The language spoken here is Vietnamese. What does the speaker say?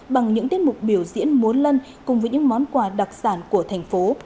bằng những tiết mục biểu diễn mốn lân cùng với những món quà đặc sản của thành phố